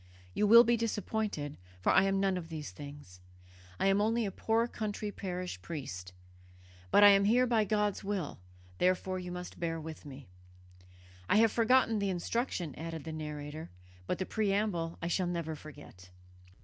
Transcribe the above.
You will be disappointed, for I am none of these things. I am only a poor country parish priest. But I am here by God's will therefore you must bear with me.' I have forgotten the instruction," added the narrator, "but the preamble I shall never forget."